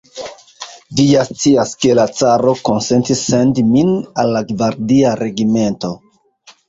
Vi ja scias, ke la caro konsentis sendi min al la gvardia regimento.